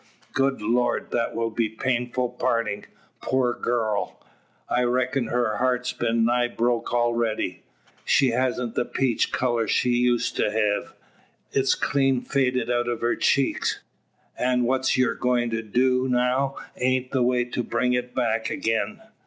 "Good Lord! that will be a painful partin'! Poor gurl! I reckin her heart's been nigh broke arready. She hasn't the peach colour she used to hev. It's clean faded out o' her cheeks, an' what your goin' to do now aint the way to bring it back agin."